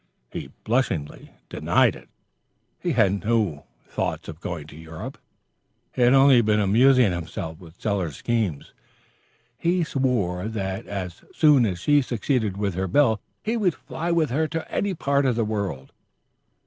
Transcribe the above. He unblushingly denied it. He had not thought of going to Europe. He had only been amusing himself with Sellers' schemes. He swore that as soon as she succeeded with her bill, he would fly with her to any part of the world.